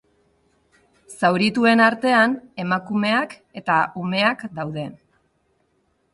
Zaurituen artean emakumeak eta umeak daude.